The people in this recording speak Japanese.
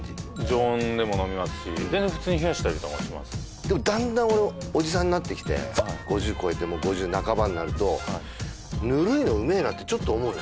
常温でも飲みますし全然普通に冷やしたりもしますでもだんだん俺もおじさんになってきて５０越えて５０半ばになるとぬるいのうめえなってちょっと思うよ